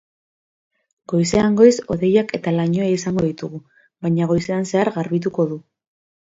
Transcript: Goizean goiz hodeiak eta lainoa izango ditugu, baina goizean zehar garbituko du.